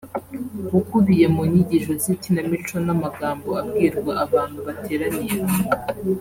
ukubiye mu nyigisho z’ikinamico n’amagambo abwirwa abantu bateraniye hamwe